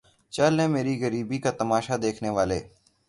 چل اے میری غریبی کا تماشا دیکھنے والے